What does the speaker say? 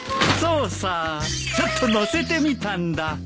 そうさちょっとのせてみたんだ。